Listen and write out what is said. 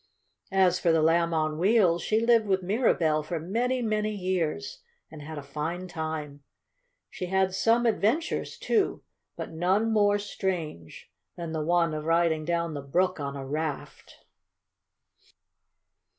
As for the Lamb on Wheels, she lived with Mirabell for many, many years, and had a fine time. She had some adventures, too, but none more strange than the one of riding down the brook on a raft.